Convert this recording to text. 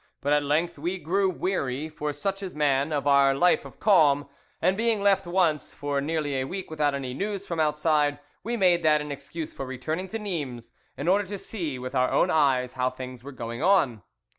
But at length we grew weary, for such is man, of our life of calm, and being left once for nearly a week without any news from outside, we made that an excuse for returning to Nimes in order to see with our own eyes how things were going on.